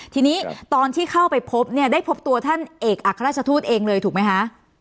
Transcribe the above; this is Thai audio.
ทีนี้ตอนที่เข้าไปพบเนี่ยได้พบตัวท่านเอกอัครราชทูตเองเลยถูกไหมคะ